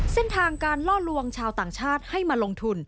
เส้นทางการล่อลวงชาวต่างชาติให้มาลงทุน